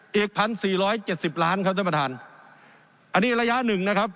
อีกพันสี่ร้อยเจ็ดสิบล้านครับท่านประธานอันนี้ระยะหนึ่งนะครับ